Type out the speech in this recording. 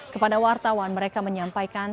kepada wartawan mereka menyampaikan